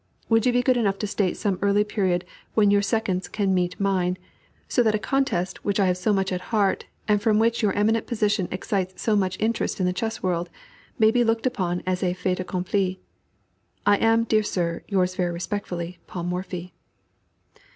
Would you be good enough to state some early period when your seconds can meet mine, so that a contest which I have so much at heart, and which from your eminent position excites so much interest in the chess world, may be looked upon as a fait accompli. I am, dear sir, yours very respectfully, PAUL MORPHY."